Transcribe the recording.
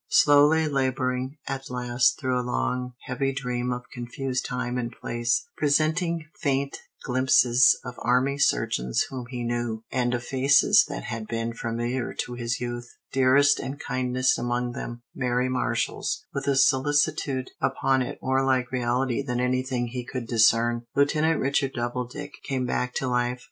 Slowly laboring, at last, through a long, heavy dream of confused time and place, presenting faint glimpses of army surgeons whom he knew, and of faces that had been familiar to his youth, dearest and kindest among them, Mary Marshall's, with a solicitude upon it more like reality than anything he could discern, Lieutenant Richard Doubledick came back to life.